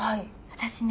私ね